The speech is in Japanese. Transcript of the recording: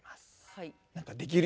はい。